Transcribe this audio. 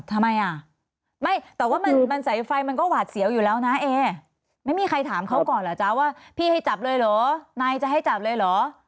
ทำไมอ่ะไม่แต่ว่ามันสายไฟมันก็หวาดเสียวอยู่แล้วนะเอไม่มีใครถามเขาก่อนเหรอจ๊ะว่าพี่ให้จับเลยเหรอนายจะให้จับเลยเหรอ